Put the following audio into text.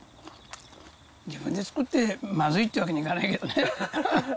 自分で作ってまずいってわけにいかないけどね。